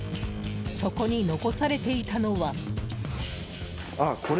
そこに残されていたのは。